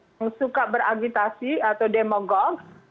yang suka beragitasi atau demogolf